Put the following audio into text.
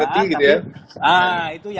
buat charity gitu ya